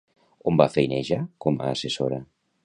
On va feinejar com a assessora?